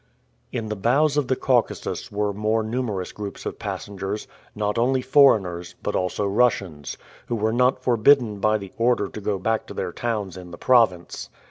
In the bows of the Caucasus were more numerous groups of passengers, not only foreigners, but also Russians, who were not forbidden by the order to go back to their towns in the province.